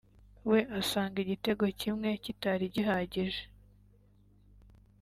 we asanga igitego kimwe kitari gihagije